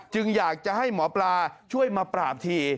อยากจะให้หมอปลาช่วยมาปราบที